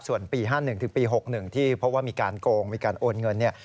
ส่วนปี๕๑ถึงปี๖๑ที่พบว่ามีการโกงมีการโอนเงินเนี่ย